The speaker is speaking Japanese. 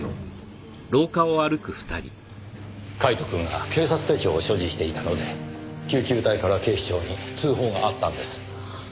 カイトくんが警察手帳を所持していたので救急隊から警視庁に通報があったんです。